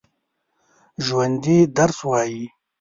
ژوندي درس وايي